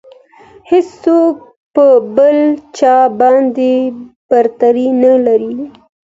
هیڅوک په بل چا باندې برتري نه لري.